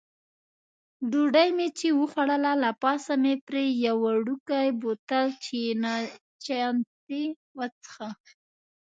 ډوډۍ مې چې وخوړله، له پاسه مې پرې یو وړوکی بوتل چیانتي وڅېښه.